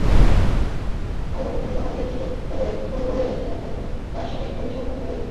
অঙ্গপ্রত্যঙ্গ হারিয়ে চিরতরে পঙ্গু হয়ে গেছেন কতজন, তার সঠিক পরিসংখ্যান মেলেনি।